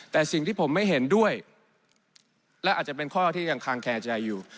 แต่สิ่งที่ผมไม่เห็นด้วยและอาจจะเป็นข้อที่ยังคางแคร์ใจอยู่